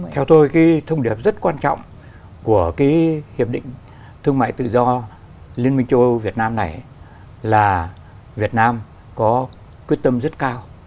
theo tôi cái thông điệp rất quan trọng của cái hiệp định thương mại tự do liên minh châu âu việt nam này là việt nam có quyết tâm rất cao